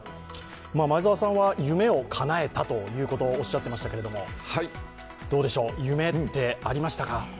前澤さんは夢をかなえたということをおっしゃっていましたが、夢ってありましたか？